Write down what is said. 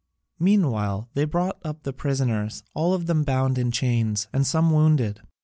Meanwhile they brought up the prisoners, all of them bound in chains and some wounded.